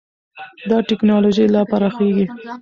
دا ټېکنالوژي لا پراخېږي.